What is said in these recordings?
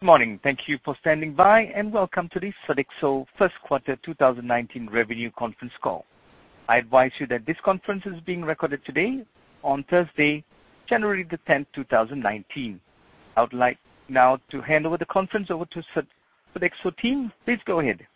Good morning. Thank you for standing by, welcome to the Sodexo first quarter 2019 revenue conference call. I advise you that this conference is being recorded today on Thursday, January the 10th, 2019. I would like now to hand over the conference over to Sodexo team. Please go ahead.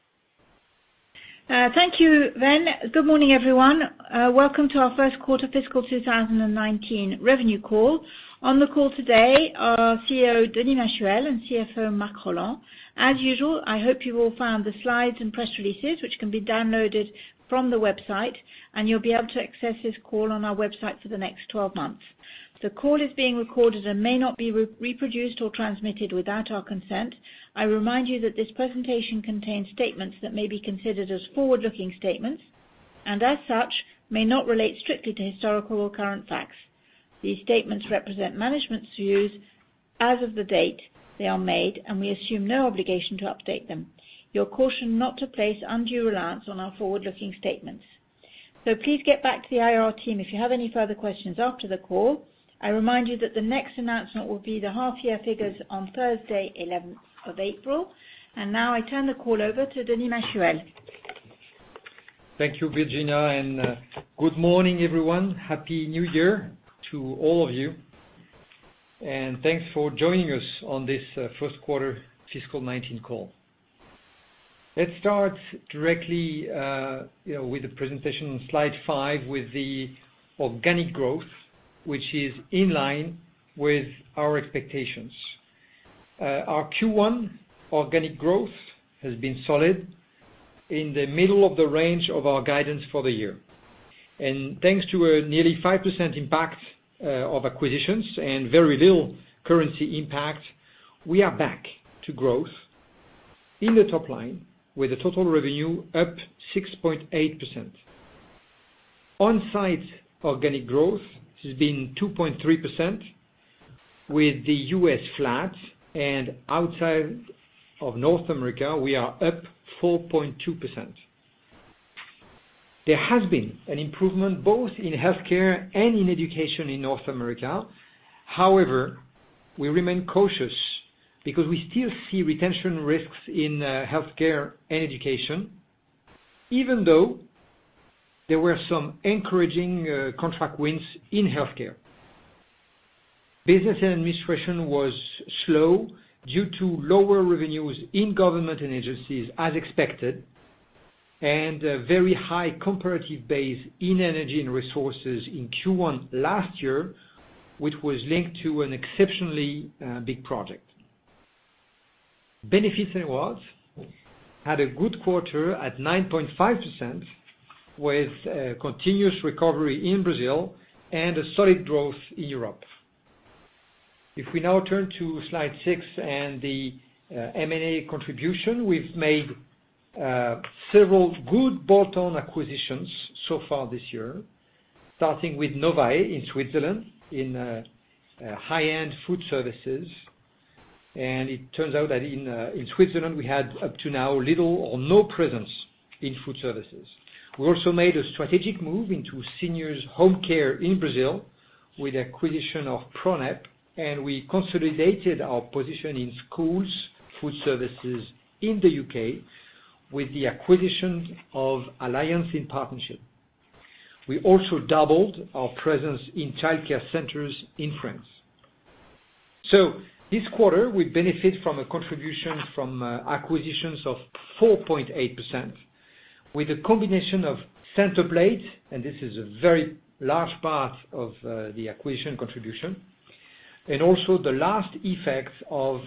Thank you, Venn. Good morning, everyone. Welcome to our first quarter fiscal 2019 revenue call. On the call today are CEO, Denis Machuel, and CFO, Marc Rolland. As usual, I hope you all found the slides and press releases, which can be downloaded from the website, you'll be able to access this call on our website for the next 12 months. The call is being recorded and may not be reproduced or transmitted without our consent. I remind you that this presentation contains statements that may be considered as forward-looking statements, as such, may not relate strictly to historical or current facts. These statements represent management's views as of the date they are made, we assume no obligation to update them. You are cautioned not to place undue reliance on our forward-looking statements. Please get back to the IR team if you have any further questions after the call. I remind you that the next announcement will be the half-year figures on Thursday, 11th of April. Now I turn the call over to Denis Machuel. Thank you, Virginia, good morning, everyone. Happy New Year to all of you. Thanks for joining us on this first quarter fiscal 2019 call. Let's start directly with the presentation on slide five with the organic growth, which is in line with our expectations. Our Q1 organic growth has been solid in the middle of the range of our guidance for the year. Thanks to a nearly 5% impact of acquisitions and very little currency impact, we are back to growth in the top line with the total revenue up 6.8%. On-site organic growth has been 2.3% with the U.S. flat and outside of North America, we are up 4.2%. There has been an improvement both in healthcare and in education in North America. However, we remain cautious because we still see retention risks in healthcare and education, even though there were some encouraging contract wins in healthcare. Business and administration was slow due to lower revenues in government and agencies as expected, and a very high comparative base in Energy & Resources in Q1 last year, which was linked to an exceptionally big project. Benefits and Rewards had a good quarter at 9.5% with a continuous recovery in Brazil and a solid growth in Europe. If we now turn to slide six and the M&A contribution, we've made several good bolt-on acquisitions so far this year, starting with Novae in Switzerland in high-end food services. It turns out that in Switzerland, we had up to now little or no presence in food services. We also made a strategic move into seniors home care in Brazil with acquisition of Pronep, and we consolidated our position in schools food services in the U.K. with the acquisition of Alliance in Partnership. We also doubled our presence in childcare centers in France. This quarter, we benefit from a contribution from acquisitions of 4.8% with a combination of Centerplate, and this is a very large part of the acquisition contribution, and also the last effect of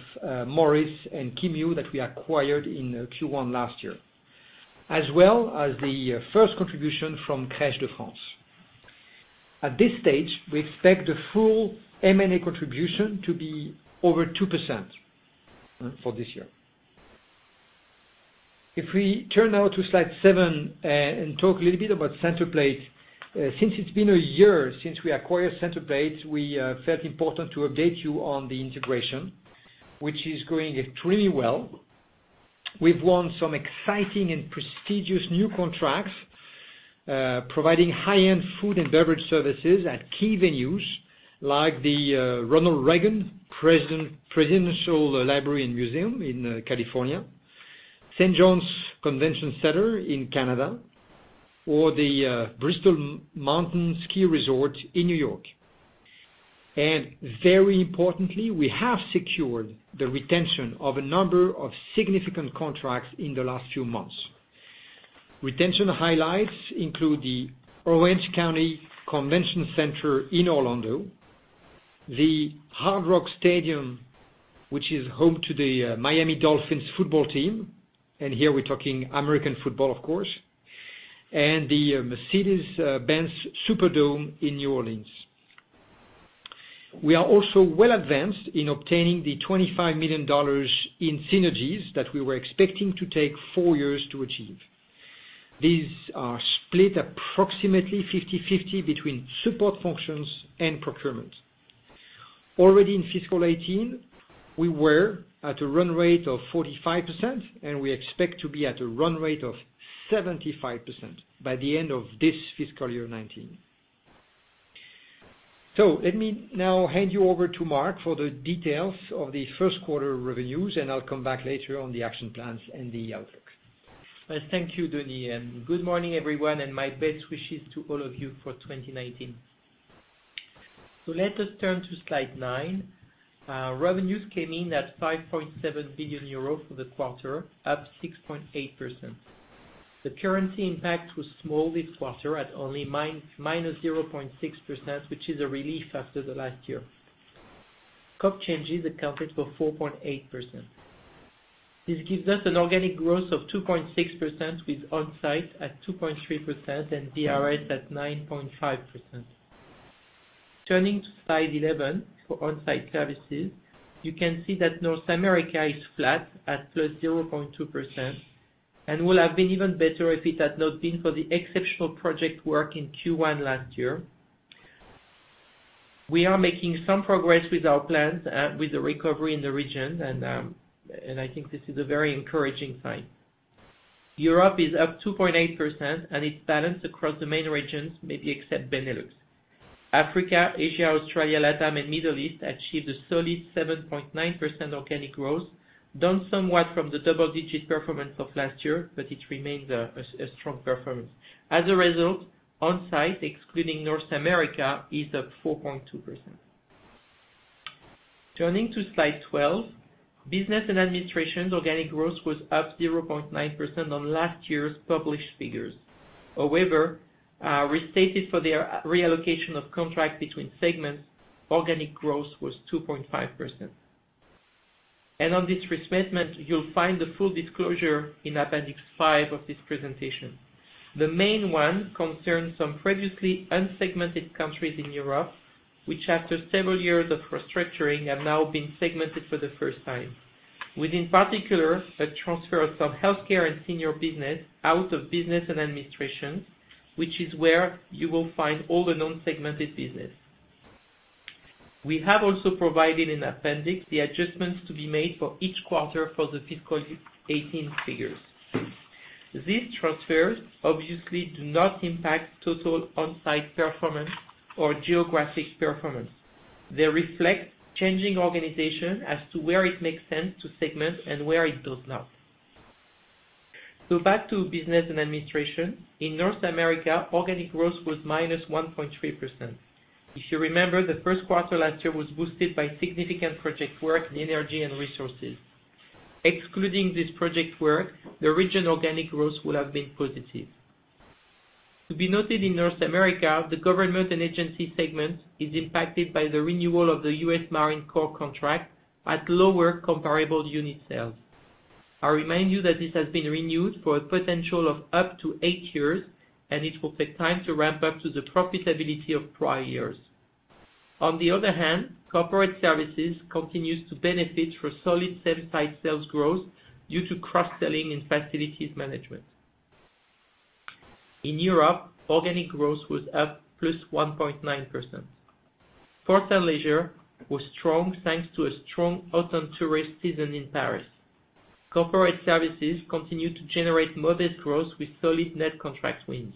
Morris and Kim Yew that we acquired in Q1 last year. As well as the first contribution from Crèche de France. At this stage, we expect the full M&A contribution to be over 2% for this year. If we turn now to slide seven and talk a little bit about Centerplate. Since it's been a year since we acquired Centerplate, we felt important to update you on the integration, which is going extremely well. We've won some exciting and prestigious new contracts, providing high-end food and beverage services at key venues like the Ronald Reagan Presidential Library and Museum in California, St. John's Convention Centre in Canada, or the Bristol Mountain Ski Resort in New York. Very importantly, we have secured the retention of a number of significant contracts in the last few months. Retention highlights include the Orange County Convention Center in Orlando, the Hard Rock Stadium, which is home to the Miami Dolphins football team, and here we're talking American football, of course, and the Mercedes-Benz Superdome in New Orleans. We are also well advanced in obtaining the $25 million in synergies that we were expecting to take 4 years to achieve. These are split approximately 50/50 between support functions and procurement. Already in fiscal 2018, we were at a run rate of 45%, and we expect to be at a run rate of 75% by the end of this fiscal year 2019. Let me now hand you over to Marc for the details of the first quarter revenues, and I'll come back later on the action plans and the outlook. Thank you, Denis, and good morning, everyone, and my best wishes to all of you for 2019. Let us turn to slide nine. Revenues came in at 5.7 billion euros for the quarter, up 6.8%. The currency impact was small this quarter at only minus 0.6%, which is a relief after the last year. scope changes accounted for 4.8%. This gives us an organic growth of 2.6%, with On-site Services at 2.3% and B&RS at 9.5%. Turning to slide 11, for On-site Services, you can see that North America is flat at plus 0.2% and would have been even better if it had not been for the exceptional project work in Q1 last year. We are making some progress with our plans and with the recovery in the region, I think this is a very encouraging sign. Europe is up 2.8%, it's balanced across the main regions, maybe except Benelux. Africa, Asia, Australia, LATAM, and Middle East achieved a solid 7.9% organic growth, down somewhat from the double-digit performance of last year, it remains a strong performance. As a result, On-site Services, excluding North America, is up 4.2%. Turning to slide 12, Business and Administration's organic growth was up 0.9% on last year's published figures. However, restated for the reallocation of contracts between segments, organic growth was 2.5%. On this restatement, you'll find the full disclosure in appendix five of this presentation. The main one concerns some previously unsegmented countries in Europe, which after several years of restructuring, have now been segmented for the first time, with, in particular, a transfer of some healthcare and senior business out of Business and Administration, which is where you will find all the non-segmented business. We have also provided in appendix the adjustments to be made for each quarter for the fiscal 2018 figures. These transfers obviously do not impact total On-site Services performance or geographic performance. They reflect changing organization as to where it makes sense to segment and where it does not. Back to Business and Administration. In North America, organic growth was minus 1.3%. If you remember, the first quarter last year was boosted by significant project work in Energy & Resources. Excluding this project work, the region organic growth would have been positive. To be noted in North America, the government and agency segment is impacted by the renewal of the U.S. Marine Corps contract at lower comparable unit sales. I remind you that this has been renewed for a potential of up to eight years, it will take time to ramp up to the profitability of prior years. On the other hand, Corporate Services continues to benefit from solid same-site sales growth due to cross-selling and facilities management. In Europe, organic growth was up plus 1.9%. Sports and leisure was strong, thanks to a strong autumn tourist season in Paris. Corporate Services continued to generate modest growth with solid net contract wins.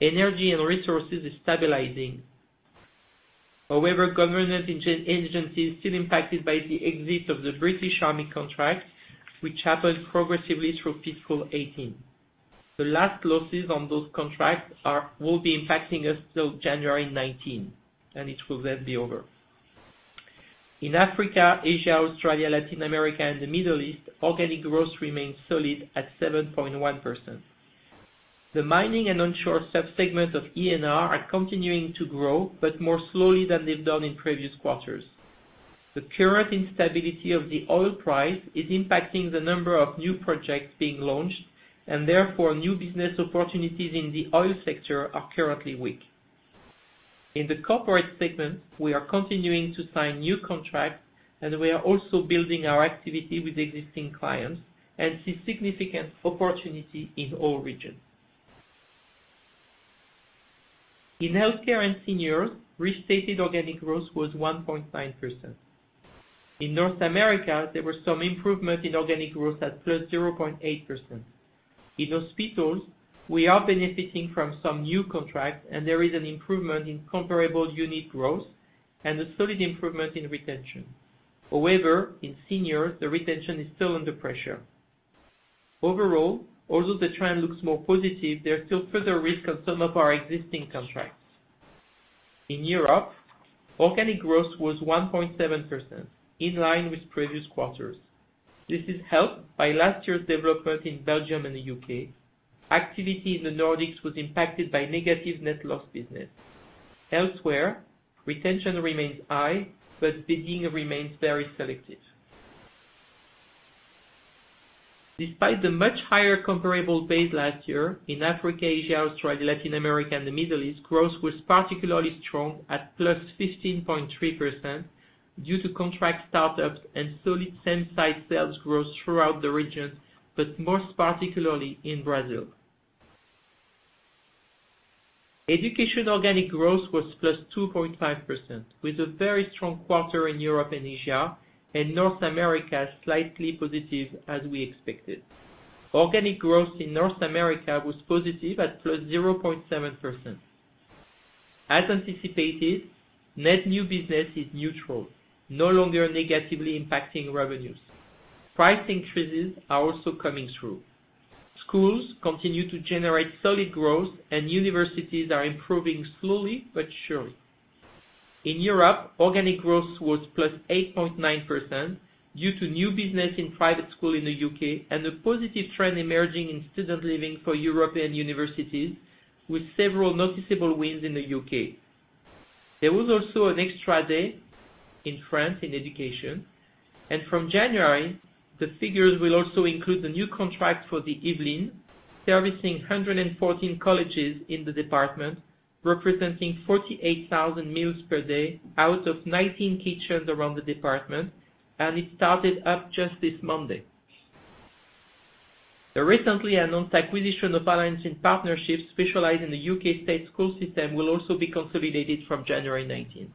Energy & Resources is stabilizing. Government agencies still impacted by the exit of the British Army contract, which happened progressively through fiscal 2018. The last losses on those contracts will be impacting us till January 2019, it will then be over. In Africa, Asia, Australia, Latin America, and the Middle East, organic growth remains solid at 7.1%. The mining and onshore subsegments of E&R are continuing to grow, more slowly than they've done in previous quarters. The current instability of the oil price is impacting the number of new projects being launched. Therefore, new business opportunities in the oil sector are currently weak. In the corporate segment, we are continuing to sign new contracts, and we are also building our activity with existing clients and see significant opportunity in all regions. In healthcare and seniors, restated organic growth was 1.9%. In North America, there was some improvement in organic growth at +0.8%. In hospitals, we are benefiting from some new contracts, and there is an improvement in comparable unit growth and a solid improvement in retention. However, in senior, the retention is still under pressure. Overall, although the trend looks more positive, there are still further risk on some of our existing contracts. In Europe, organic growth was 1.7%, in line with previous quarters. This is helped by last year's development in Belgium and the U.K. Activity in the Nordics was impacted by negative net loss business. Elsewhere, retention remains high. Bidding remains very selective. Despite the much higher comparable base last year in Africa, Asia, Australia, Latin America, and the Middle East, growth was particularly strong at +15.3% due to contract startups and solid same-site sales growth throughout the region, but most particularly in Brazil. Education organic growth was +2.5%, with a very strong quarter in Europe and Asia, and North America slightly positive as we expected. Organic growth in North America was positive at +0.7%. As anticipated, net new business is neutral, no longer negatively impacting revenues. Price increases are also coming through. Schools continue to generate solid growth, and universities are improving slowly but surely. In Europe, organic growth was +8.9% due to new business in private school in the U.K. and a positive trend emerging in student living for European universities, with several noticeable wins in the U.K. There was also an extra day in France in education. From January, the figures will also include the new contract for the Yvelines, servicing 114 colleges in the department, representing 48,000 meals per day out of 19 kitchens around the department. It started up just this Monday. The recently announced acquisition of Alliance in Partnership specialized in the U.K. state school system will also be consolidated from January 19th.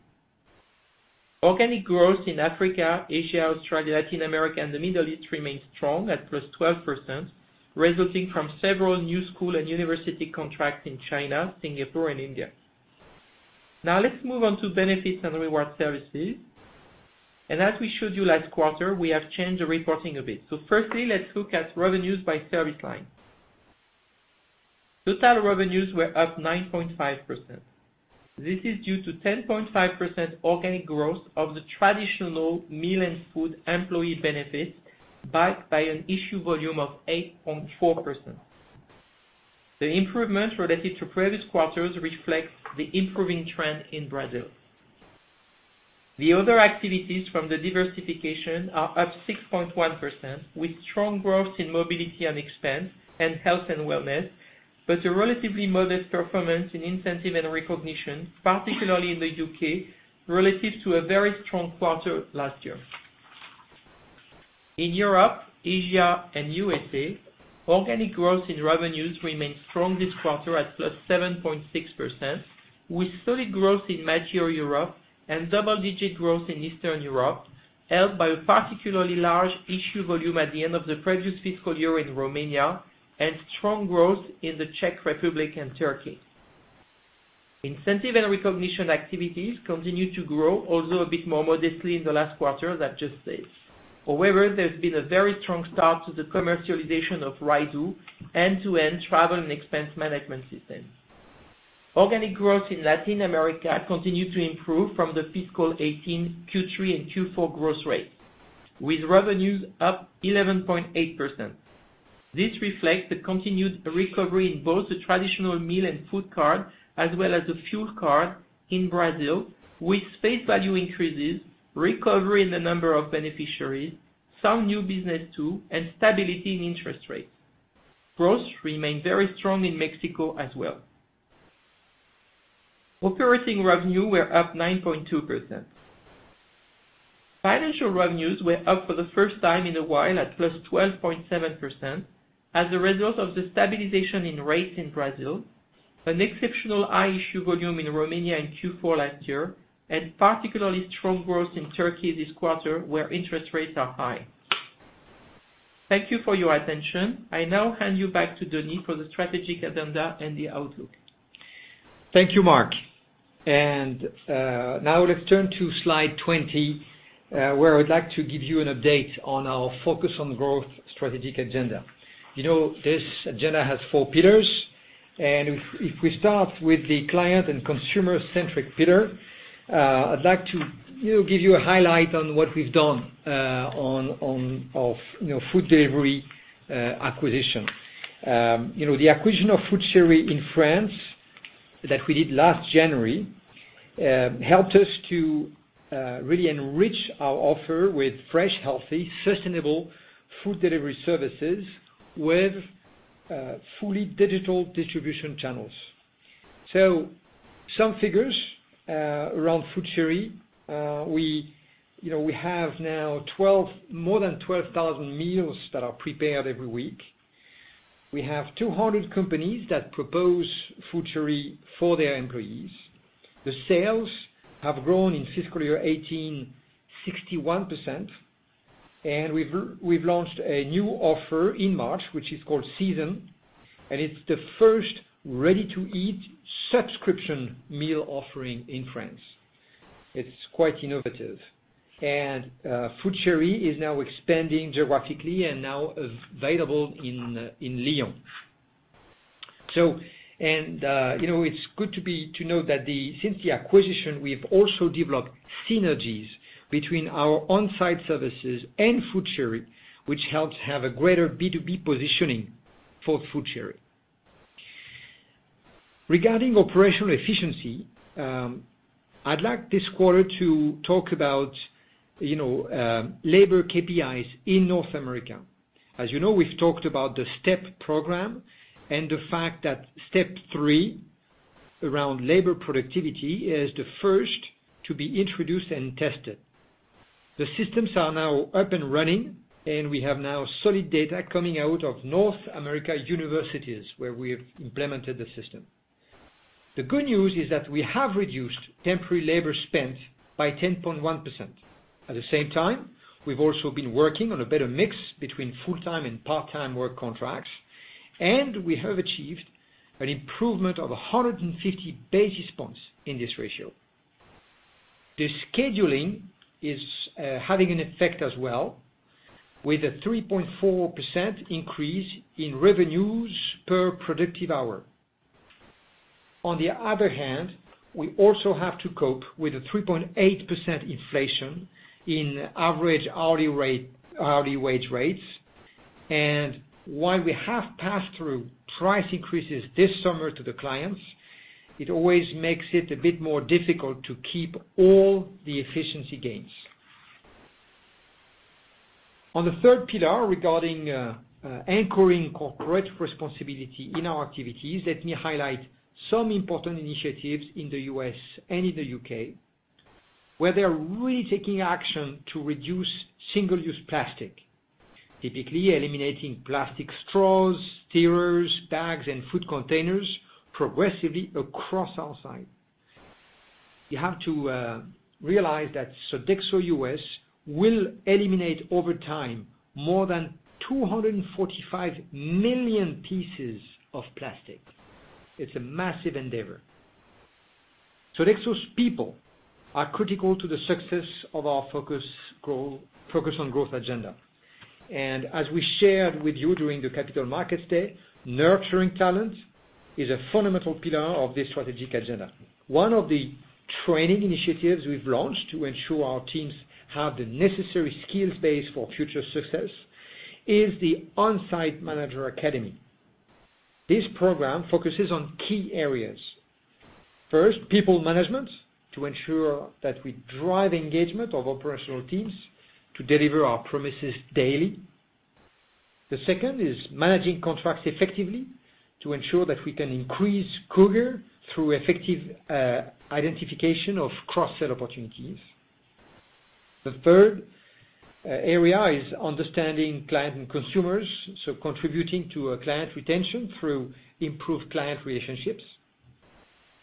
Organic growth in Africa, Asia, Australia, Latin America, and the Middle East remains strong at +12%, resulting from several new school and university contracts in China, Singapore, and India. Let's move on to Benefits and Rewards Services. As we showed you last quarter, we have changed the reporting a bit. Firstly, let's look at revenues by service line. Total revenues were up 9.5%. This is due to 10.5% organic growth of the traditional meal and food employee benefits, backed by an issue volume of 8.4%. The improvements relative to previous quarters reflect the improving trend in Brazil. The other activities from the diversification are up 6.1%, with strong growth in mobility and expense and health and wellness. A relatively modest performance in incentive and recognition, particularly in the U.K., relative to a very strong quarter last year. In Europe, Asia, and USA, organic growth in revenues remained strong this quarter at +7.6%, with solid growth in mature Europe and double-digit growth in Eastern Europe, helped by a particularly large issue volume at the end of the previous fiscal year in Romania and strong growth in the Czech Republic and Turkey. Incentive and recognition activities continue to grow, although a bit more modestly in the last quarter. There's been a very strong start to the commercialization of Rydoo end-to-end travel and expense management system. Organic growth in Latin America continued to improve from the fiscal year 2018 Q3 and Q4 growth rate, with revenues up +11.8%. This reflects the continued recovery in both the traditional meal and food card, as well as the Fuel Card in Brazil, with face value increases, recovery in the number of beneficiaries, some new business too, and stability in interest rates. Growth remained very strong in Mexico as well. Operating revenue were up 9.2%. Financial revenues were up for the first time in a while at +12.7% as a result of the stabilization in rates in Brazil, an exceptional high issue volume in Romania in Q4 last year, and particularly strong growth in Turkey this quarter, where interest rates are high. Thank you for your attention. I now hand you back to Denis for the strategic agenda and the outlook. Thank you, Marc. Now let's turn to slide 20, where I'd like to give you an update on our focus on growth strategic agenda. This agenda has four pillars. If we start with the client and consumer-centric pillar, I'd like to give you a highlight on what we've done on our food delivery acquisition. The acquisition of FoodChéri in France that we did last January, helped us to really enrich our offer with fresh, healthy, sustainable food delivery services with fully digital distribution channels. Some figures around FoodChéri. We have now more than 12,000 meals that are prepared every week. We have 200 companies that propose FoodChéri for their employees. The sales have grown in fiscal year 2018, 61%, and we've launched a new offer in March, which is called In Season, and it's the first ready-to-eat subscription meal offering in France. It's quite innovative. FoodChéri is now expanding geographically and now available in Lyon. It's good to know that since the acquisition, we've also developed synergies between our On-site Services and FoodChéri, which helps have a greater B2B positioning for FoodChéri. Regarding operational efficiency, I'd like this quarter to talk about labor KPIs in North America. As you know, we've talked about the STEP program and the fact that STEP 3 around labor productivity is the first to be introduced and tested. The systems are now up and running, and we have now solid data coming out of North America universities where we have implemented the system. The good news is that we have reduced temporary labor spend by 10.1%. At the same time, we've also been working on a better mix between full-time and part-time work contracts, and we have achieved an improvement of 150 basis points in this ratio. The scheduling is having an effect as well, with a 3.4% increase in revenues per productive hour. On the other hand, we also have to cope with a 3.8% inflation in average hourly wage rates. While we have passed through price increases this summer to the clients, it always makes it a bit more difficult to keep all the efficiency gains. On the third pillar, regarding anchoring corporate responsibility in our activities, let me highlight some important initiatives in the U.S. and in the U.K., where they are really taking action to reduce single-use plastic. Typically, eliminating plastic straws, stirrers, bags, and food containers progressively across our site. You have to realize that Sodexo US will eliminate over time, more than 245 million pieces of plastic. It's a massive endeavor. Sodexo's people are critical to the success of our focus on growth agenda. As we shared with you during the Capital Markets Day, nurturing talent is a fundamental pillar of this strategic agenda. One of the training initiatives we've launched to ensure our teams have the necessary skills base for future success is the On-Site Manager Academy. This program focuses on key areas. First, people management, to ensure that we drive engagement of operational teams to deliver our promises daily. The second is managing contracts effectively to ensure that we can increase growth through effective identification of cross-sell opportunities. The third area is understanding client and consumers, so contributing to client retention through improved client relationships.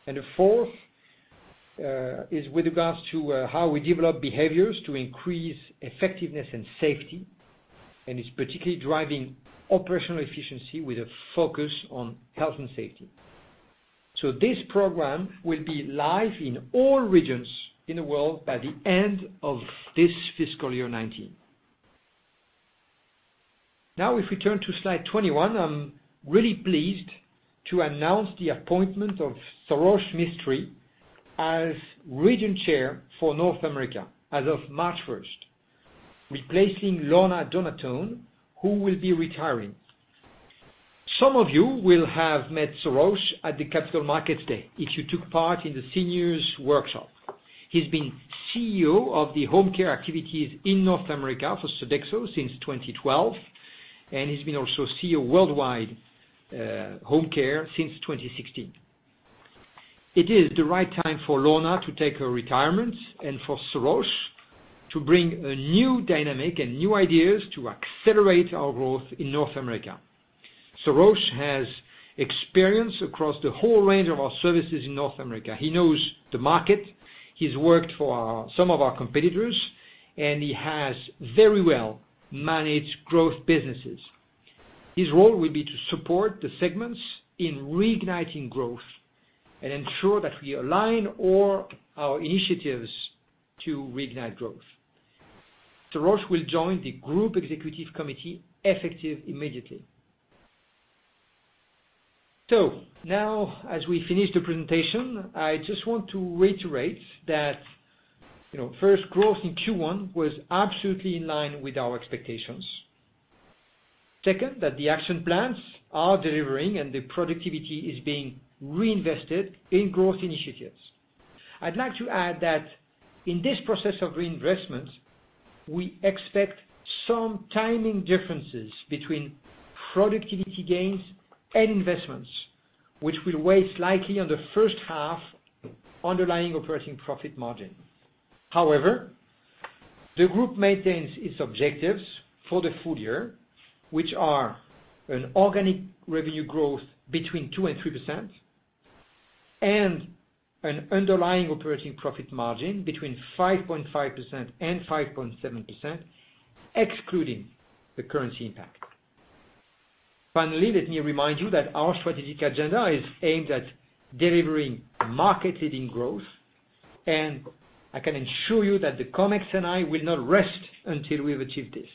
The fourth is with regards to how we develop behaviors to increase effectiveness and safety, and it's particularly driving operational efficiency with a focus on health and safety. This program will be live in all regions in the world by the end of this fiscal year 2019. If we turn to slide 21, I'm really pleased to announce the appointment of Sarosh Mistry as Region Chair for North America as of March 1st, replacing Lorna Donatone, who will be retiring. Some of you will have met Sarosh at the Capital Markets Day if you took part in the seniors workshop. He's been CEO of the home care activities in North America for Sodexo since 2012, and he's been also CEO worldwide, home care, since 2016. It is the right time for Lorna to take her retirement and for Sarosh to bring a new dynamic and new ideas to accelerate our growth in North America. Sarosh has experience across the whole range of our services in North America. He knows the market. He's worked for some of our competitors, and he has very well managed growth businesses. His role will be to support the segments in reigniting growth and ensure that we align all our initiatives to reignite growth. Sarosh will join the group executive committee effective immediately. As we finish the presentation, I just want to reiterate that, first, growth in Q1 was absolutely in line with our expectations. Second, the action plans are delivering and the productivity is being reinvested in growth initiatives. I'd like to add that in this process of reinvestment, we expect some timing differences between productivity gains and investments, which will weigh slightly on the first half underlying operating profit margin. However, the group maintains its objectives for the full year, which are an organic revenue growth between 2% and 3% and an underlying operating profit margin between 5.5% and 5.7%, excluding the currency impact. Finally, let me remind you that our strategic agenda is aimed at delivering market-leading growth, and I can assure you that the COMEX and I will not rest until we've achieved this.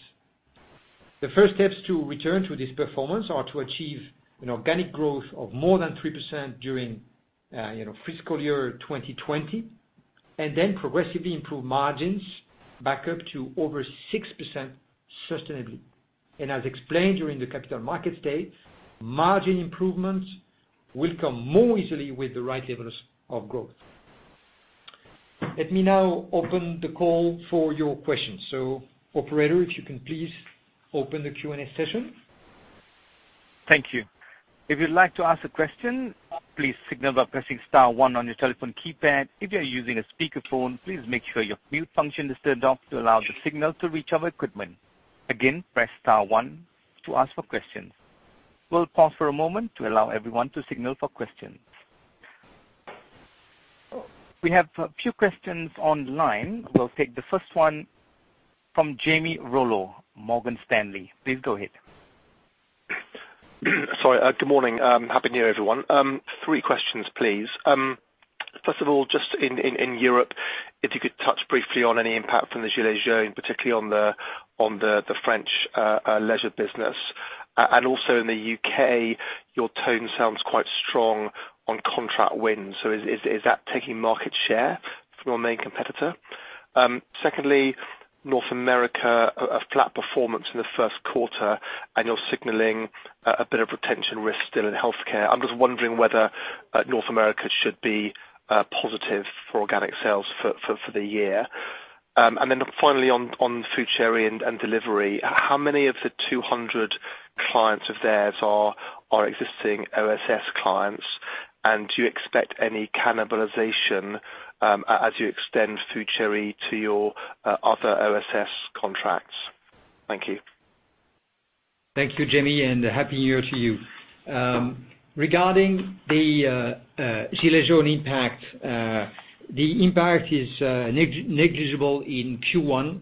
The first steps to return to this performance are to achieve an organic growth of more than 3% during fiscal year 2020, and then progressively improve margins back up to over 6% sustainably. As explained during the Capital Markets Day, margin improvements will come more easily with the right levels of growth. Let me now open the call for your questions. Operator, if you can please open the Q&A session. Thank you. If you'd like to ask a question, please signal by pressing star one on your telephone keypad. If you are using a speakerphone, please make sure your mute function is turned off to allow the signal to reach our equipment. Again, press star one to ask for questions. We'll pause for a moment to allow everyone to signal for questions. We have a few questions online. We'll take the first one from Jamie Rollo, Morgan Stanley. Please go ahead. Sorry. Good morning. Happy new year, everyone. Three questions, please. First of all, just in Europe, if you could touch briefly on any impact from the Gilets Jaunes, particularly on the French leisure business. Also in the U.K., your tone sounds quite strong on contract wins. Is that taking market share from a main competitor? Secondly, North America, a flat performance in the first quarter, and you're signaling a bit of retention risk still in healthcare. I'm just wondering whether North America should be positive for organic sales for the year. Then finally, on FoodChéri and delivery, how many of the 200 clients of theirs are existing OSS clients? Do you expect any cannibalization as you extend FoodChéri to your other OSS contracts? Thank you. Thank you, Jamie, and happy new year to you. Regarding the Gilets Jaunes impact, the impact is negligible in Q1.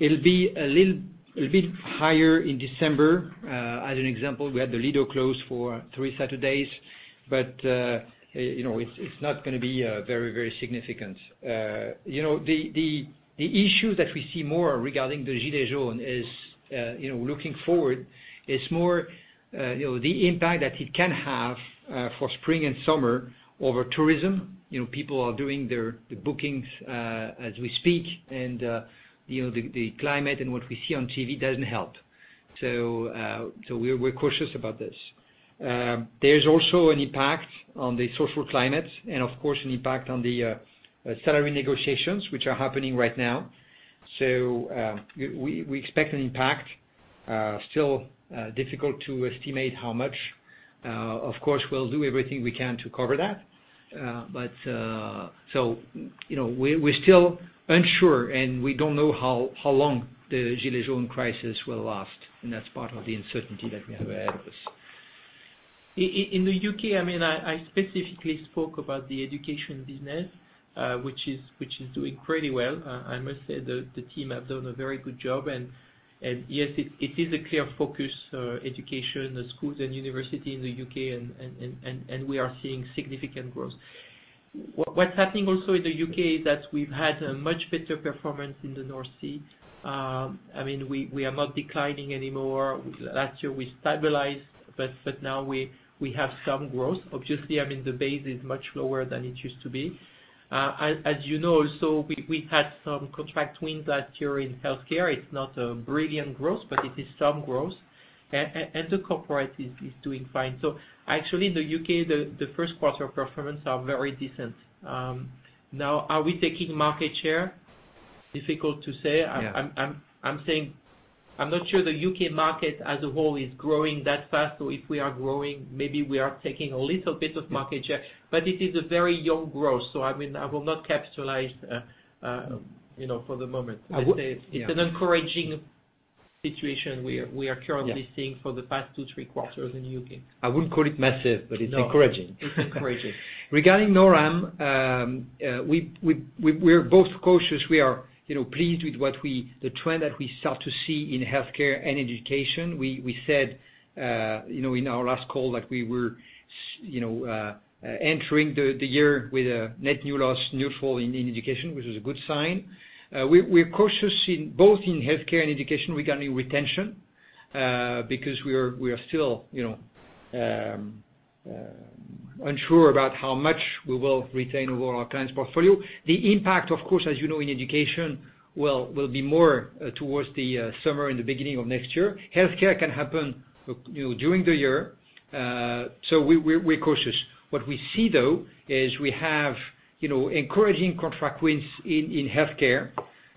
It'll be a little bit higher in December. As an example, we had the Lido closed for three Saturdays, but it's not going to be very significant. The issue that we see more regarding the Gilets Jaunes is, looking forward, it's more the impact that it can have for spring and summer over tourism. People are doing their bookings as we speak, and the climate and what we see on TV doesn't help. We're cautious about this. There's also an impact on the social climate and, of course, an impact on the salary negotiations, which are happening right now. We expect an impact. Still difficult to estimate how much. Of course, we'll do everything we can to cover that. We're still unsure. We don't know how long the Gilets Jaunes crisis will last. That's part of the uncertainty that we have ahead of us. In the U.K., I specifically spoke about the education business, which is doing incredibly well. I must say, the team have done a very good job. Yes, it is a clear focus, education, schools, and university in the U.K., and we are seeing significant growth. Also in the U.K., we've had a much better performance in the North Sea. We are not declining anymore. Last year, we stabilized, but now we have some growth. Obviously, the base is much lower than it used to be. As you know, we also had some contract wins last year in healthcare. It's not a brilliant growth, but it is some growth. The corporate is doing fine. Actually in the U.K., the first quarter performance are very decent. Are we taking market share? Difficult to say. Yeah. I'm not sure the U.K. market as a whole is growing that fast. If we are growing, maybe we are taking a little bit of market share, but it is a very young growth. I will not capitalize for the moment. Yeah. It's an encouraging situation we are Yeah seeing for the past two, three quarters in the U.K. I wouldn't call it massive, but it's encouraging. No. It's encouraging. Regarding NorAm, we're both cautious. We are pleased with the trend that we start to see in healthcare and education. We said in our last call that we were entering the year with a net new loss, neutral in education, which is a good sign. We're cautious both in healthcare and education regarding retention, because we are still unsure about how much we will retain over our clients' portfolio. The impact, of course, as you know, in education, will be more towards the summer and the beginning of next year. Healthcare can happen during the year. We're cautious. What we see, though, is we have encouraging contract wins in healthcare.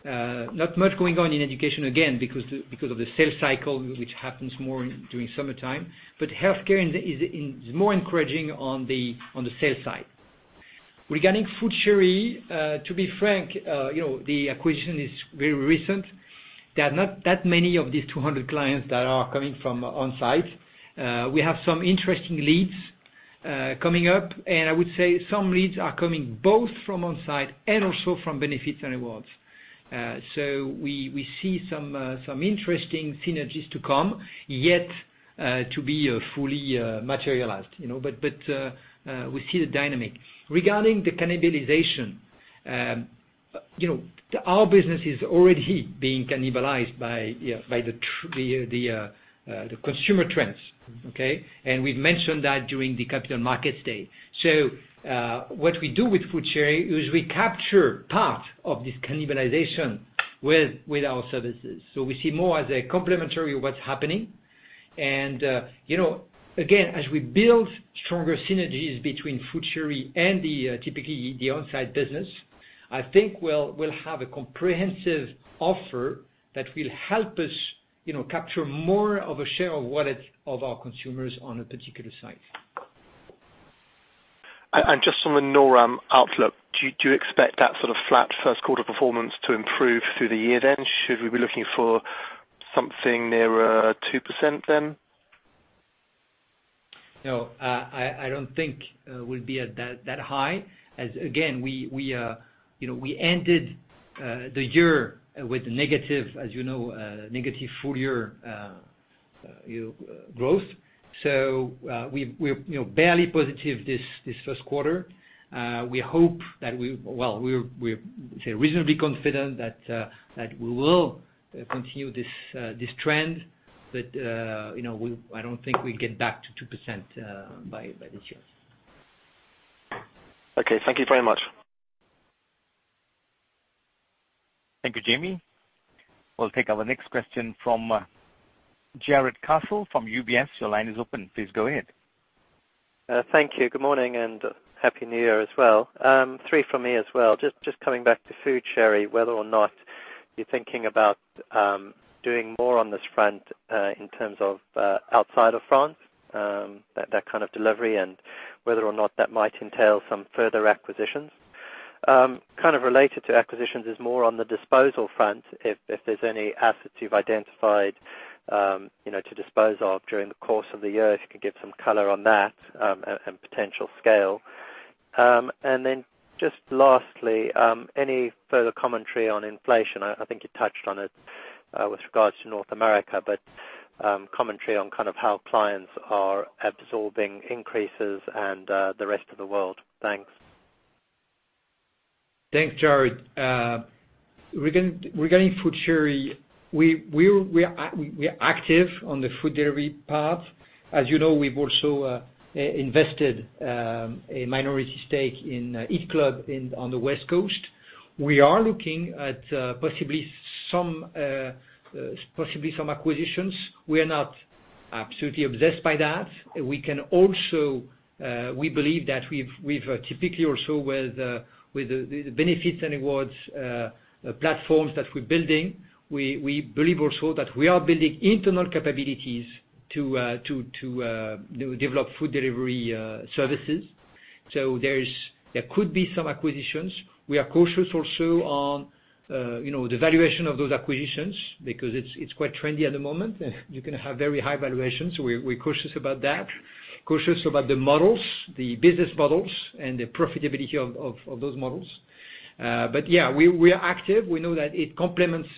Not much going on in education, again, because of the sales cycle, which happens more during summertime. Healthcare is more encouraging on the sales side. Regarding FoodChéri, to be frank, the acquisition is very recent. There are not that many of these 200 clients that are coming from onsite. We have some interesting leads coming up, I would say some leads are coming both from onsite and also from benefits and rewards. We see some interesting synergies to come, yet to be fully materialized. We see the dynamic. Regarding the cannibalization, our business is already being cannibalized by the consumer trends, okay? We've mentioned that during the Capital Markets Day. What we do with FoodChéri is we capture part of this cannibalization with our services. We see more as a complementary of what's happening. Again, as we build stronger synergies between FoodChéri and typically the onsite business, I think we'll have a comprehensive offer that will help us capture more of a share of wallet of our consumers on a particular site. Just on the NORAM outlook, do you expect that sort of flat first quarter performance to improve through the year then? Should we be looking for something nearer 2% then? No, I don't think we'll be at that high as, again, we ended the year with negative, as you know, negative full year growth. We're barely positive this first quarter. We're reasonably confident that we will continue this trend, I don't think we'll get back to 2% by this year. Okay. Thank you very much. Thank you, Jamie. We'll take our next question from Jarrod Castle from UBS. Your line is open. Please go ahead. Thank you. Good morning and happy New Year as well. Three from me as well. Just coming back to FoodChéri, whether or not you're thinking about doing more on this front, in terms of outside of France, that kind of delivery, and whether or not that might entail some further acquisitions. Kind of related to acquisitions is more on the disposal front, if there's any assets you've identified to dispose of during the course of the year, if you could give some color on that, and potential scale. Then just lastly, any further commentary on inflation? I think you touched on it, with regards to North America, but commentary on kind of how clients are absorbing increases and the rest of the world. Thanks. Thanks, Jarrod. Regarding FoodChéri, we are active on the food delivery path. As you know, we've also invested a minority stake in EAT Club on the West Coast. We are looking at possibly some acquisitions. We are not absolutely obsessed by that. We believe that we've typically also with the benefits and rewards platforms that we're building, we believe also that we are building internal capabilities to develop food delivery services. There could be some acquisitions. We are cautious also on the valuation of those acquisitions because it's quite trendy at the moment, and you can have very high valuations. We're cautious about that. Cautious about the models, the business models, and the profitability of those models. Yeah, we are active. We know that it complements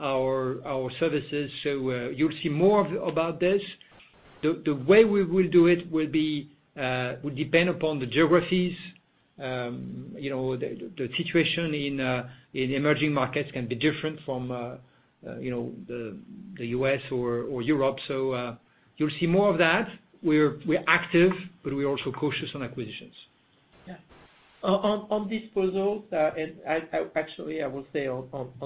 our services. You'll see more about this. The way we will do it will depend upon the geographies. The situation in emerging markets can be different from the U.S. or Europe. You'll see more of that. We're active, but we're also cautious on acquisitions. Yeah. On disposals. Actually, I will say on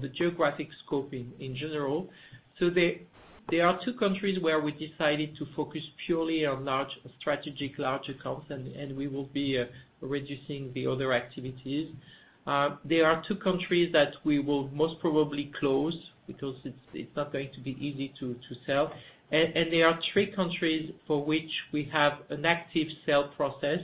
the geographic scope in general. There are two countries where we decided to focus purely on strategic large accounts, and we will be reducing the other activities. There are two countries that we will most probably close because it's not going to be easy to sell. There are three countries for which we have an active sale process.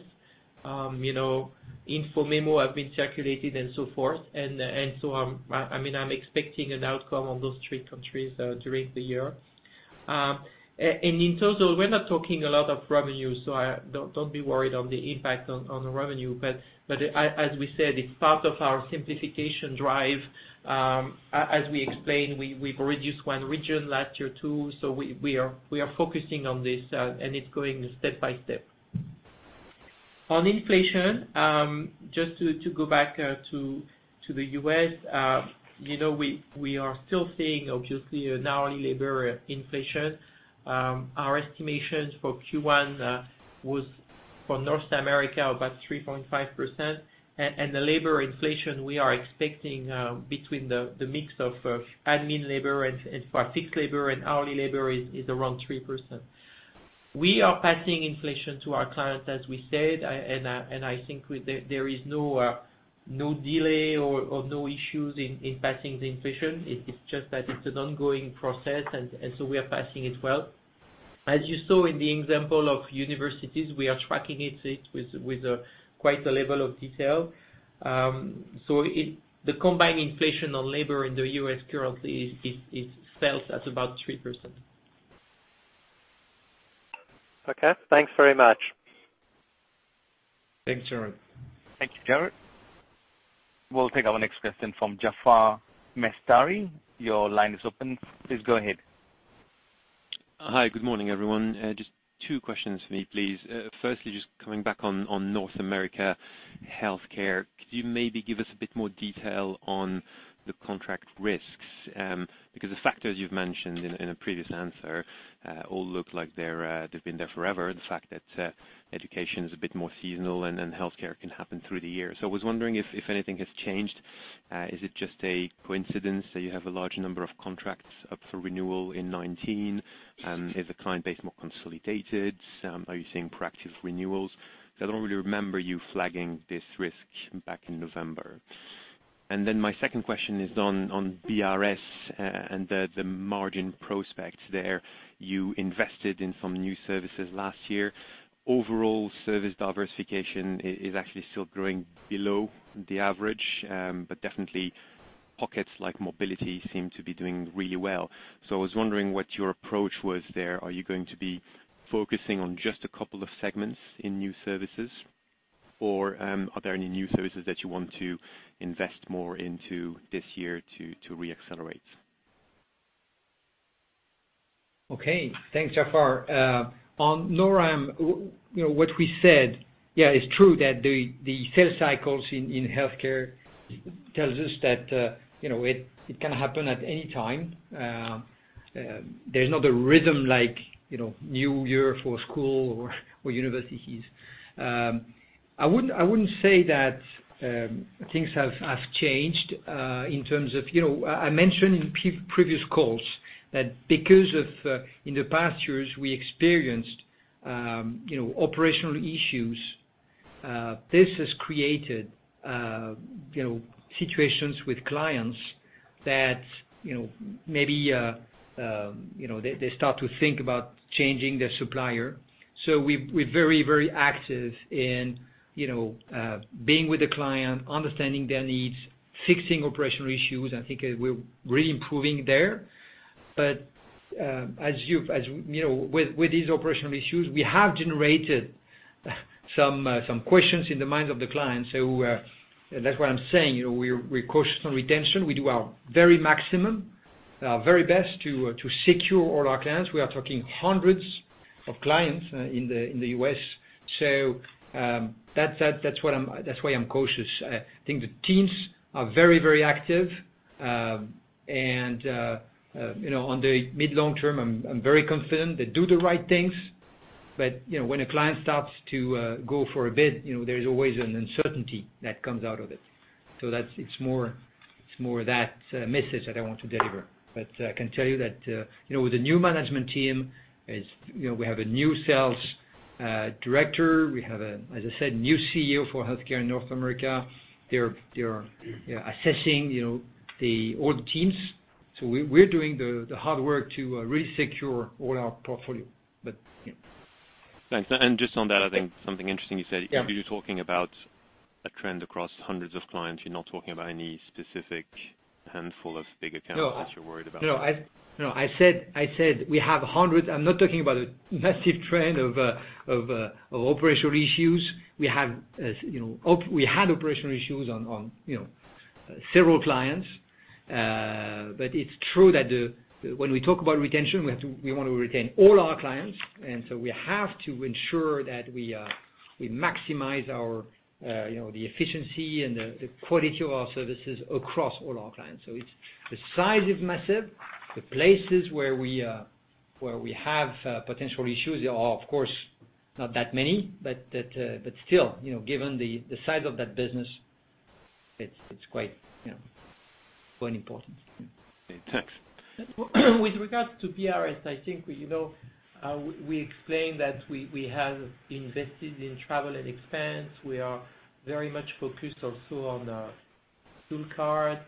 Info memo have been circulated and so forth. I'm expecting an outcome on those three countries during the year. In total, we're not talking a lot of revenue, so don't be worried on the impact on the revenue. As we said, it's part of our simplification drive. As we explained, we've reduced one region last year, too, so we are focusing on this, and it's going step by step. On inflation, just to go back to the U.S., we are still seeing, obviously, an hourly labor inflation. Our estimations for Q1 was for North America, about 3.5%. The labor inflation we are expecting between the mix of admin labor and for fixed labor and hourly labor is around 3%. We are passing inflation to our clients, as we said, and I think there is no delay or no issues in passing the inflation. It's just that it's an ongoing process, and so we are passing it well. As you saw in the example of universities, we are tracking it with quite a level of detail. The combined inflation on labor in the U.S. currently is felt at about 3%. Okay. Thanks very much. Thanks, Jarrod. Thank you, Jarrod. We'll take our next question from Jaafar Mestari. Your line is open. Please go ahead. Hi. Good morning, everyone. Just two questions for me, please. Firstly, just coming back on North America Healthcare. Could you maybe give us a bit more detail on the contract risks? The factors you've mentioned in a previous answer all look like they've been there forever. The fact that education is a bit more seasonal and healthcare can happen through the year. I was wondering if anything has changed. Is it just a coincidence that you have a large number of contracts up for renewal in 2019? Is the client base more consolidated? Are you seeing proactive renewals? I don't really remember you flagging this risk back in November. My second question is on B&RS and the margin prospects there. You invested in some new services last year. Overall service diversification is actually still growing below the average. Definitely pockets like mobility seem to be doing really well. I was wondering what your approach was there. Are you going to be focusing on just a couple of segments in new services, or are there any new services that you want to invest more into this year to re-accelerate? Okay, thanks, Jafar. On Noram, what we said, yeah, it's true that the sales cycles in healthcare tells us that it can happen at any time. There's not a rhythm like new year for school or universities. I wouldn't say that things have changed in terms of I mentioned in previous calls that because in the past years we experienced operational issues, this has created situations with clients that maybe they start to think about changing their supplier. We're very active in being with the client, understanding their needs, fixing operational issues. I think we're really improving there. With these operational issues, we have generated some questions in the minds of the clients. That's why I'm saying, we're cautious on retention. We do our very maximum, our very best to secure all our clients. We are talking hundreds of clients in the U.S. That's why I'm cautious. I think the teams are very active. On the mid, long term, I'm very confident they do the right things. When a client starts to go for a bid, there's always an uncertainty that comes out of it. It's more of that message that I want to deliver. I can tell you that, with the new management team, we have a new sales director, we have, as I said, new CEO for healthcare in North America. They are assessing all the teams. We're doing the hard work to resecure all our portfolio. But, yeah. Thanks. Just on that, I think something interesting you said. Yeah. You're talking about a trend across hundreds of clients. You're not talking about any specific handful of big accounts- No that you're worried about? No. I said we have hundreds. I'm not talking about a massive trend of operational issues. We had operational issues on several clients. It's true that when we talk about retention, we want to retain all our clients. We have to ensure that we maximize the efficiency and the quality of our services across all our clients. The size is massive. The places where we have potential issues are, of course, not that many, but still, given the size of that business, it's quite important. Okay, thanks. With regards to B&RS, I think we explained that we have invested in travel and expense. We are very much focused also on Fuel Card.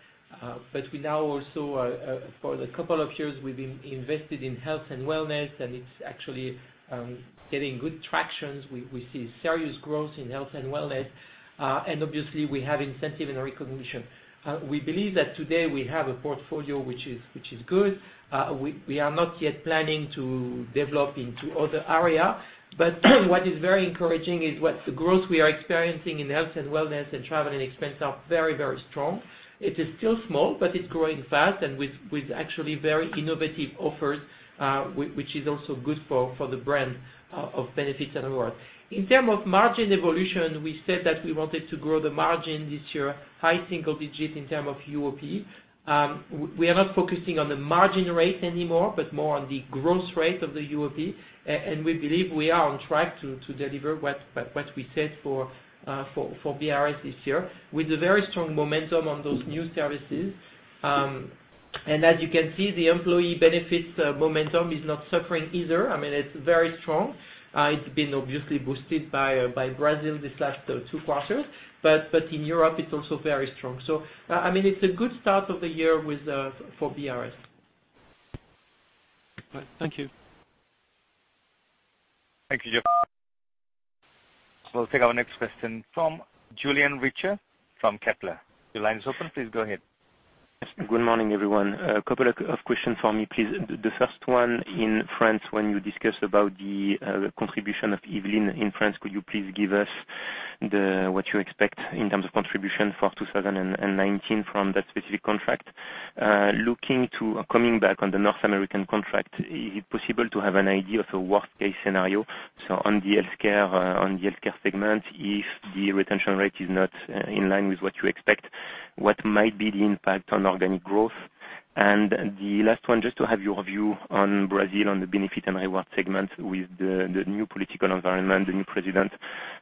We now also, for the couple of years, we've invested in health and wellness, and it's actually getting good traction. We see serious growth in health and wellness. Obviously we have incentive and recognition. We believe that today we have a portfolio which is good. We are not yet planning to develop into other area. What is very encouraging is what the growth we are experiencing in health and wellness and travel and expense are very strong. It is still small, but it's growing fast and with actually very innovative offers, which is also good for the brand of Benefits and Rewards. In terms of margin evolution, we said that we wanted to grow the margin this year, high single digits in terms of UOP. We are not focusing on the margin rate anymore, but more on the growth rate of the UOP. We believe we are on track to deliver what we said for B&RS this year with a very strong momentum on those new services. As you can see, the employee benefits momentum is not suffering either. It's very strong. It's been obviously boosted by Brazil these last two quarters. In Europe it's also very strong. It's a good start of the year for B&RS. Right. Thank you. Thank you, Jaafar. We'll take our next question from Julien Richer from Kepler. Your line is open. Please go ahead. Good morning, everyone. A couple of questions from me, please. The first one, in France, when you discuss about the contribution of Yvelines in France, could you please give us what you expect in terms of contribution for 2019 from that specific contract? Coming back on the North American contract, is it possible to have an idea of a worst case scenario? On the healthcare segment, if the retention rate is not in line with what you expect, what might be the impact on organic growth? The last one, just to have your view on Brazil, on the Benefits and Rewards segment with the new political environment, the new president,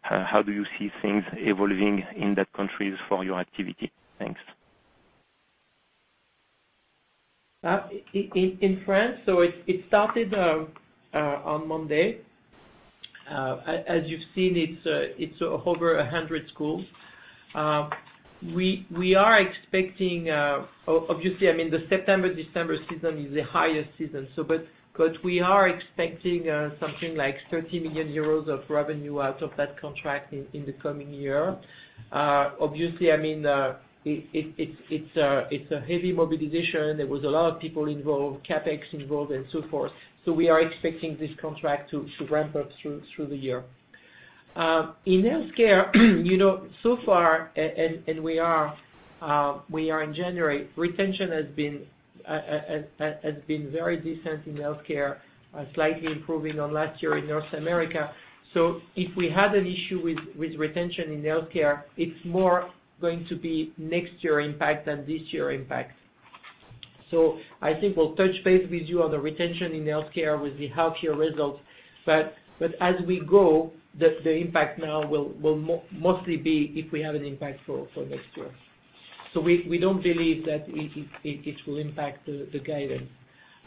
how do you see things evolving in that country for your activity? Thanks. In France. It started on Monday. As you've seen, it's over 100 schools. Obviously, the September-December season is the highest season. We are expecting something like 30 million euros of revenue out of that contract in the coming year. Obviously, it's a heavy mobilization. There was a lot of people involved, CapEx involved, and so forth. We are expecting this contract to ramp up through the year. In healthcare, so far, and we are in January, retention has been very decent in healthcare, slightly improving on last year in North America. If we had an issue with retention in healthcare, it's more going to be next year impact than this year impact. I think we'll touch base with you on the retention in healthcare with the healthcare results. As we go, the impact now will mostly be if we have an impact for next year. We don't believe that it will impact the guidance.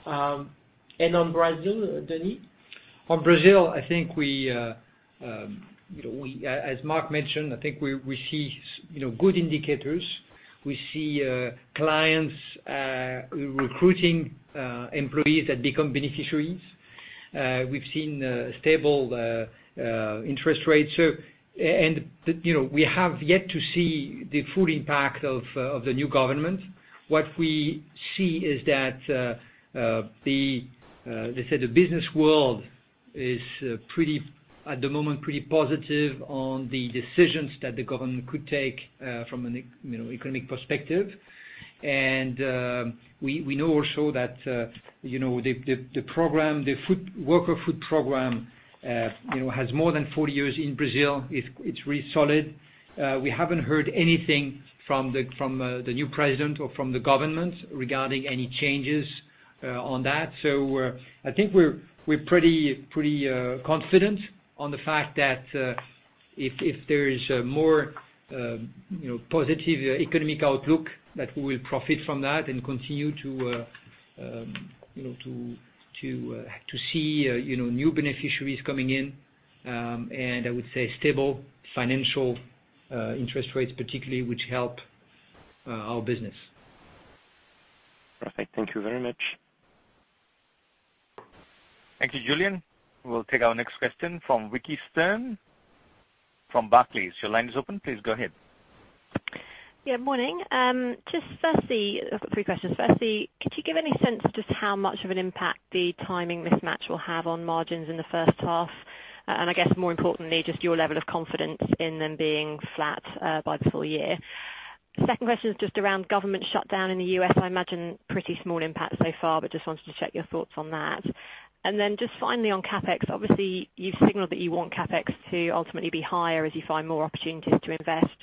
On Brazil, Denis? On Brazil, as Marc mentioned, I think we see good indicators. We see clients recruiting employees that become beneficiaries. We've seen stable interest rates. We have yet to see the full impact of the new government. What we see is that, let's say the business world is, at the moment, pretty positive on the decisions that the government could take from an economic perspective. We know also that the worker food program has more than 40 years in Brazil. It's really solid. We haven't heard anything from the new president or from the government regarding any changes on that. I think we're pretty confident on the fact that if there is a more positive economic outlook, that we will profit from that and continue to see new beneficiaries coming in. I would say stable financial interest rates particularly, which help our business. Perfect. Thank you very much. Thank you, Julien. We'll take our next question from Vicki Stern from Barclays. Your line is open. Please go ahead. Yeah, morning. I've got three questions. Firstly, could you give any sense just how much of an impact the timing mismatch will have on margins in the first half? I guess more importantly, just your level of confidence in them being flat by the full year. Second question is just around government shutdown in the U.S. I imagine pretty small impact so far, but just wanted to check your thoughts on that. Just finally on CapEx, obviously you've signaled that you want CapEx to ultimately be higher as you find more opportunities to invest.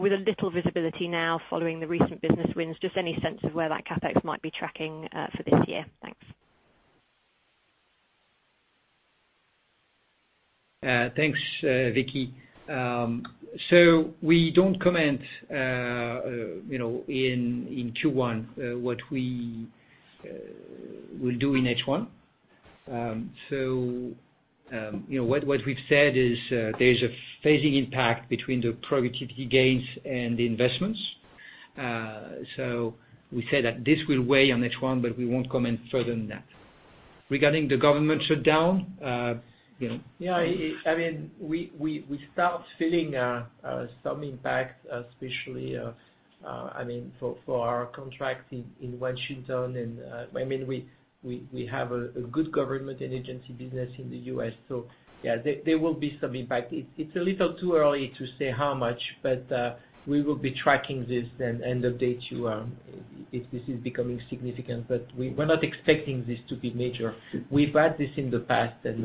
With a little visibility now following the recent business wins, just any sense of where that CapEx might be tracking for this year. Thanks. Thanks, Vicki. We don't comment in Q1 what we will do in H1. What we've said is there's a phasing impact between the productivity gains and the investments. We say that this will weigh on H1, but we won't comment further than that. Regarding the government shutdown- Yeah. We start feeling some impact, especially for our contracts in Washington, and we have a good government and agency business in the U.S. Yeah, there will be some impact. It's a little too early to say how much, but we will be tracking this and update you if this is becoming significant. We're not expecting this to be major. We've had this in the past. On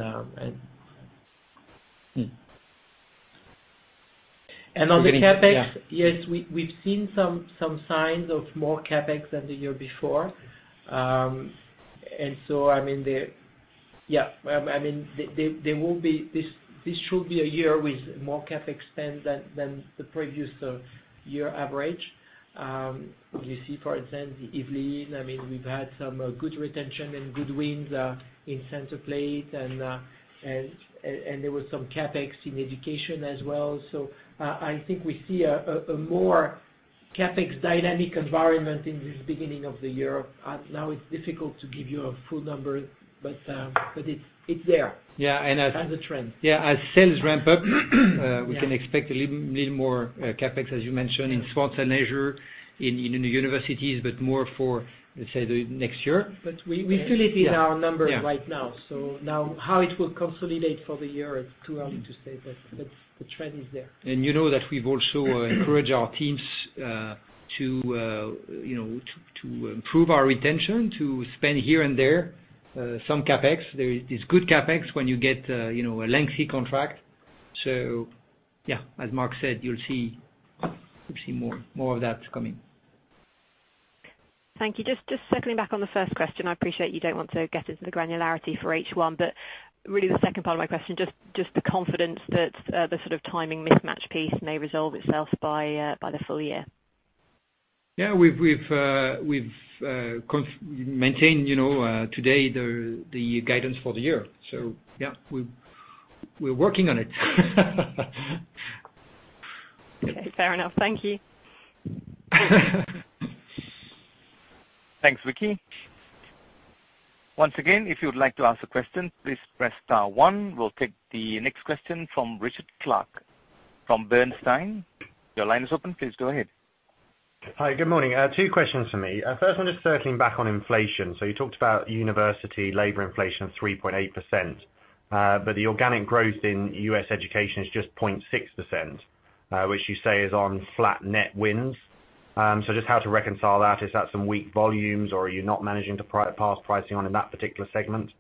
the CapEx- Vicki, yeah Yes, we've seen some signs of more CapEx than the year before. This should be a year with more CapEx spend than the previous year average. You see, for instance, the Yvelines, we've had some good retention and good wins in Centerplate, and there was some CapEx in education as well. I think we see a more CapEx dynamic environment in this beginning of the year. Now it's difficult to give you a full number, but it's there. Yeah. A trend. Yeah, sales ramp up. Yeah We can expect a little more CapEx, as you mentioned, in sports and leisure, in the universities, but more for, let's say, the next year. We feel it in our numbers right now. Yeah. Now how it will consolidate for the year, it's too early to say. The trend is there. You know that we've also encouraged our teams to improve our retention, to spend here and there some CapEx. There is good CapEx when you get a lengthy contract. Yeah, as Marc said, you'll see more of that coming. Thank you. Just circling back on the first question, I appreciate you don't want to get into the granularity for H1, really the second part of my question, just the confidence that the sort of timing mismatch piece may resolve itself by the full year. We've maintained today the guidance for the year. We're working on it. Fair enough. Thank you. Thanks, Vicki. Once again, if you would like to ask a question, please press star 1. We'll take the next question from Richard Clarke from Bernstein. Your line is open. Please go ahead. Hi. Good morning. Two questions from me. First one, just circling back on inflation. You talked about university labor inflation, 3.8%, but the organic growth in US education is just 0.6%, which you say is on flat net wins. Just how to reconcile that. Is that some weak volumes or are you not managing to pass pricing on in that particular segment?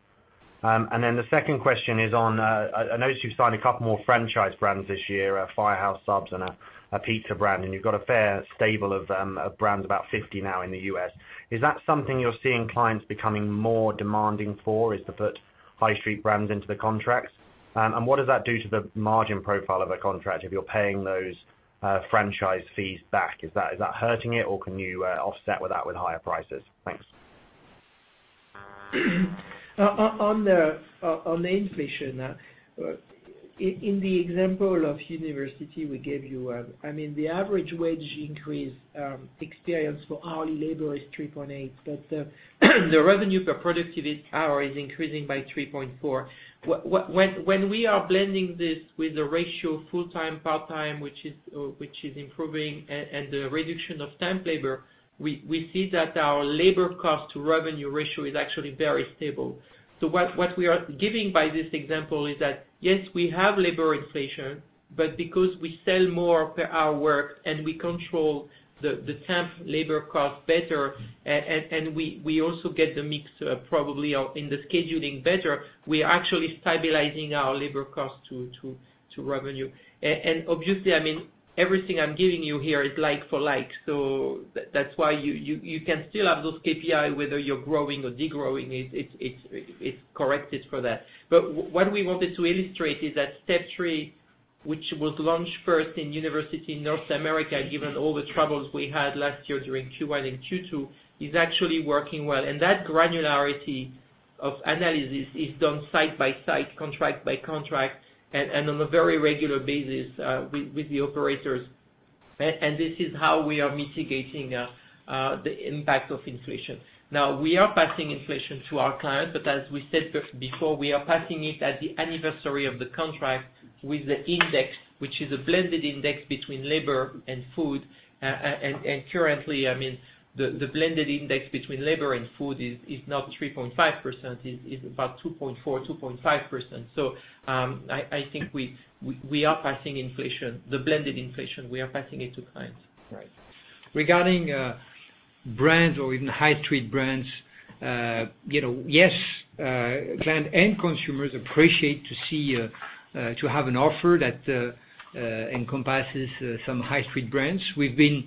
The second question is on, I noticed you signed a couple more franchise brands this year, Firehouse Subs and a pizza brand, and you've got a fair stable of brands, about 50 now in the U.S. Is that something you're seeing clients becoming more demanding for, is to put high street brands into the contracts? What does that do to the margin profile of a contract if you're paying those franchise fees back? Is that hurting it or can you offset that with higher prices? Thanks. On the inflation. In the example of university we gave you, the average wage increase experienced for hourly labor is 3.8%, but the revenue per productivity hour is increasing by 3.4%. When we are blending this with the ratio full-time/part-time, which is improving, and the reduction of temp labor, we see that our labor cost to revenue ratio is actually very stable. What we are giving by this example is that, yes, we have labor inflation, but because we sell more per hour worked and we control the temp labor cost better, and we also get the mix probably in the scheduling better, we are actually stabilizing our labor cost to revenue. Obviously, everything I'm giving you here is like for like, so that's why you can still have those KPI, whether you're growing or degrowing. It's corrected for that. What we wanted to illustrate is that STEP 3, which was launched first in university North America, given all the troubles we had last year during Q1 and Q2, is actually working well. That granularity of analysis is done site by site, contract by contract, and on a very regular basis, with the operators. This is how we are mitigating the impact of inflation. Now, we are passing inflation to our clients, but as we said before, we are passing it at the anniversary of the contract with the index, which is a blended index between labor and food. Currently, the blended index between labor and food is not 3.5%. It's about 2.4%, 2.5%. I think we are passing the blended inflation. We are passing it to clients. Right. Regarding brands or even high street brands, yes, clients and consumers appreciate to have an offer that encompasses some high street brands. We've been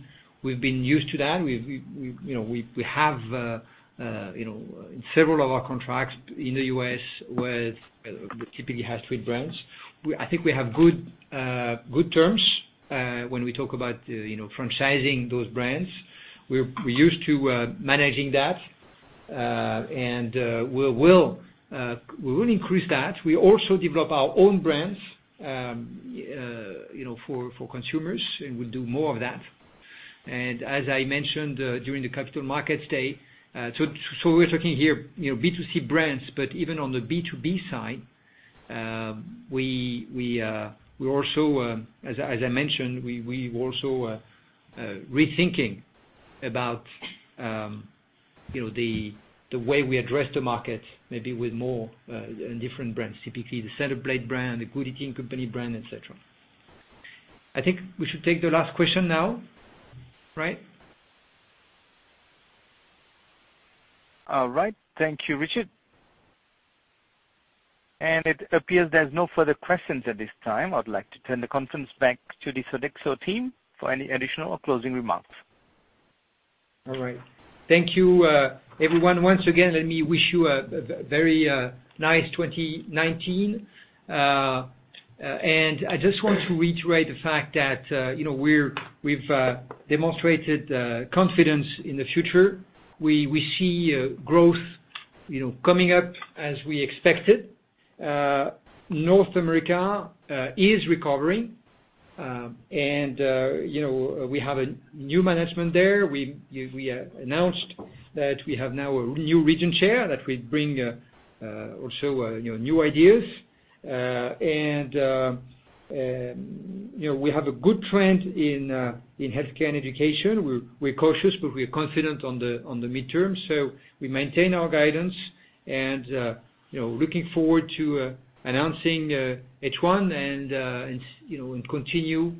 used to that. We have several of our contracts in the U.S. with typically high street brands. I think we have good terms when we talk about franchising those brands. We're used to managing that. We will increase that. We also develop our own brands for consumers, and we'll do more of that. As I mentioned, during the Capital Markets Day, we're talking here, B2C brands, but even on the B2B side, as I mentioned, we're also rethinking about the way we address the market, maybe with more, and different brands, typically the Salad Plate brand, the Good Eating Company brand, et cetera. I think we should take the last question now, right? All right. Thank you, Richard. It appears there's no further questions at this time. I'd like to turn the conference back to the Sodexo team for any additional or closing remarks. All right. Thank you, everyone. Once again, let me wish you a very nice 2019. I just want to reiterate the fact that we've demonstrated confidence in the future. We see growth coming up as we expected. North America is recovering. We have a new management there. We announced that we have now a new region chair that will bring also new ideas. We have a good trend in healthcare and education. We're cautious, but we are confident on the midterm. We maintain our guidance and looking forward to announcing H1 and continue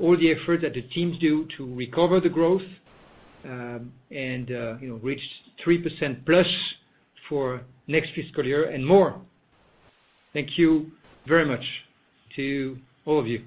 all the effort that the teams do to recover the growth, and reach 3% plus for next fiscal year and more. Thank you very much to all of you.